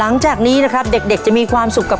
ทางโรงเรียนยังได้จัดซื้อหม้อหุงข้าวขนาด๑๐ลิตร